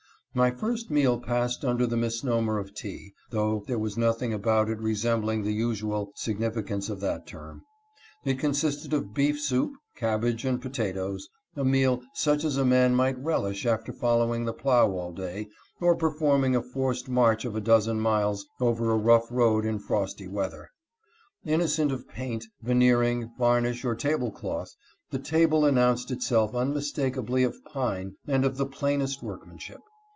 My first meal passed under the misnomer of tea, though there was nothing about it resembling the usual significance of that term. It con sisted of beef soup, cabbage, and potatoes — a meal such as a man might relish after following the plow all day or performing a forced march of a dozen miles over a rough road in frosty weather. Innocent of paint, veneering, varnish, or table cloth, the table announced itself unmis takably of pine and of the plainest workmanship.